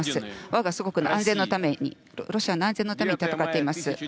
わが祖国の安全のために、ロシアの安全のために戦っています。